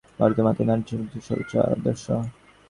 ভারতে মাতাই নারী-চরিত্রের সর্বোচ্চ আদর্শ।